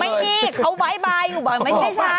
ไม่มีเขาบ๊ายบายอยู่บ่อยไม่ใช่ช้า